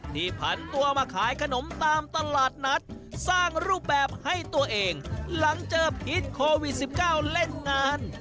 ผันตัวมาขายขนมตามตลาดนัดสร้างรูปแบบให้ตัวเองหลังเจอพิษโควิด๑๙เล่นงาน